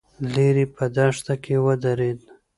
ليرې په دښته کې ودرېد.